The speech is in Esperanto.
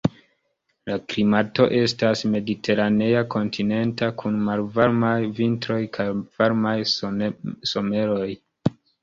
La klimato estas mediteranea kontinenta, kun malvarmaj vintroj kaj varmaj someroj.